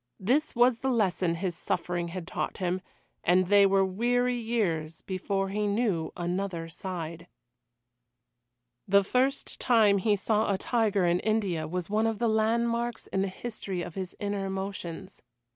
This was the lesson his suffering had taught him, and they were weary years before he knew another side. The first time he saw a tiger in India was one of the landmarks in the history of his inner emotions.